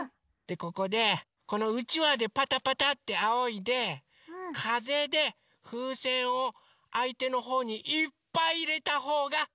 ここでこのうちわでパタパタってあおいでかぜでふうせんをあいてのほうにいっぱいいれたほうがかちです！